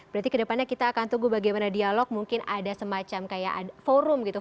berarti kedepannya kita akan tunggu bagaimana dialog mungkin ada semacam kayak forum gitu